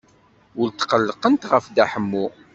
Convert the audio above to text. Ur tqellqent ɣef Dda Ḥemmu.